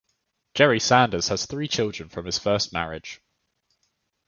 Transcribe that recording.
Jerry Sanders has three children from his first marriage.